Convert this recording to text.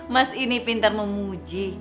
mas ini pinter memuji